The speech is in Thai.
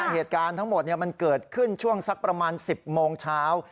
เหตุการณ์ทั้งหมดมันเกิดขึ้นช่วงสักประมาณ๑๐โมงเช้า